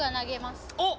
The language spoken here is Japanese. おっ！